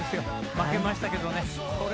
負けましたけどね。